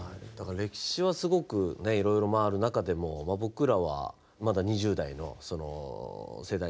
歴史はすごくいろいろ回る中でも僕らはまだ２０代の世代だったんでみんな。